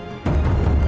sumpah ini mencurigakan